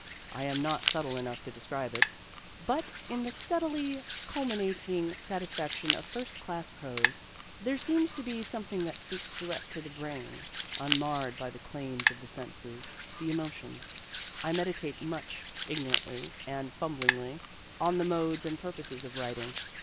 I am not subtle enough to describe it, but in the steadily cumulating satisfaction of first class prose there seems to be something that speaks direct to the brain, unmarred by the claims of the senses, the emotions. I meditate much, ignorantly and fumblingly, on the modes and purposes of writing.